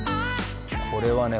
これはね